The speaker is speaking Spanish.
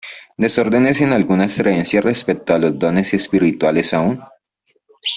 Desórdenes en algunas creencias respecto a los dones espirituales aún.